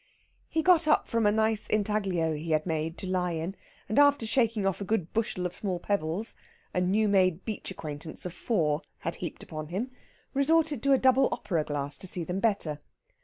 He got up from a nice intaglio he had made to lie in, and after shaking off a good bushel of small pebbles a new made beach acquaintance of four had heaped upon him, resorted to a double opera glass to see them better.